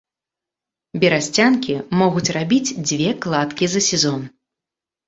Берасцянкі могуць рабіць дзве кладкі за сезон.